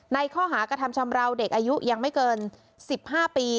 ในข้อหากระทำชำราวเด็กอายุยังไม่เกิน๑๕ปี